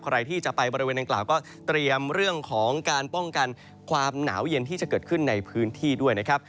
ใครที่จะไปบริเวณนางกล่าวก็เตรียมเรื่องของการป้องกันความหนาวเย็นที่จะเกิดขึ้นในพื้นที่ด้วยนะครับ